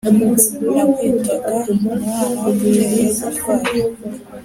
.Nakwitaga umwana uteye gitwari